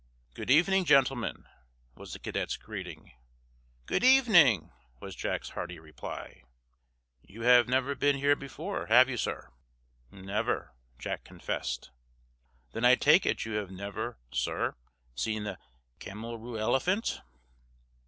"Good evening, gentlemen," was the cadet's greeting. "Good evening," was Jack's hearty reply. "You've never been here before, have you, sir?" "Never," Jack confessed. "Then I take it you have never, sir, seen the camelroorelephant?"